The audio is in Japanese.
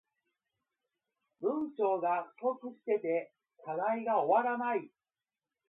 文章が不足してて課題が終わらない